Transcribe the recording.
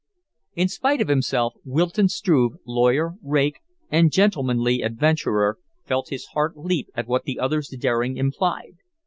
In spite of himself, Wilton Struve, lawyer, rake, and gentlemanly adventurer, felt his heart leap at what the other's daring implied.